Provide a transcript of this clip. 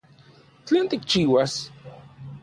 ¿Tlen tikchiuas?